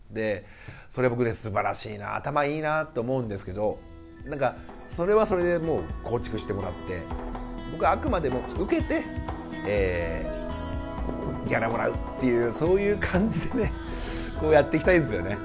それは僕ねすばらしいな頭いいなと思うんですけど何かそれはそれで構築してもらって僕はあくまでもウケてギャラもらうっていうそういう感じでねやっていきたいんですよね。